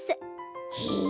へえ。